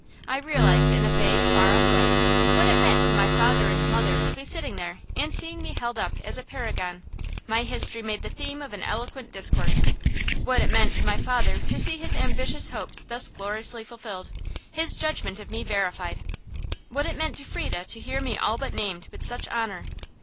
I realized, in a vague, far off way, what it meant to my father and mother to be sitting there and seeing me held up as a paragon, my history made the theme of an eloquent discourse; what it meant to my father to see his ambitious hopes thus gloriously fulfilled, his judgment of me verified; what it meant to Frieda to hear me all but named with such honor.